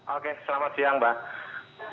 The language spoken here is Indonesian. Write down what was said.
oke selamat siang mbak